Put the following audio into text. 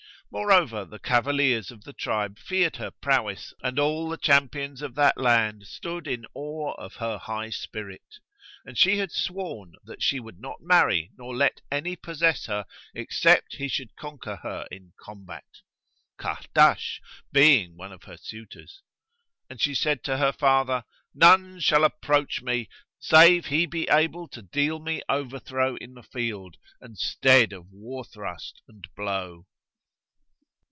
Moreover, the cavaliers of the tribe feared her prowess and all the champions of that land stood in awe of her high spirit; and she had sworn that she would not marry nor let any possess her, except he should conquer her in combat (Kahrdash being one of her suitors); and she said to her father, "None shall approach me, save he be able to deal me over throw in the field and stead of war thrust and blow.